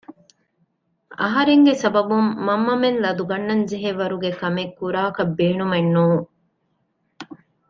އަހަރެންގެ ސަބަބުން މަންމަމެން ލަދު ގަންނަންޖެހޭ ވަރުގެ ކަމެއް ކުރާކަށް ބޭނުމެއް ނޫން